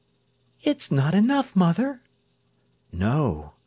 "It's not enough, mother." "No.